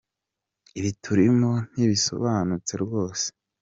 Ibi turimo ntibisobanutse rwose